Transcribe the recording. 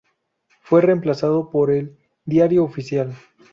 Fue reemplazado por el "Diario Oficial".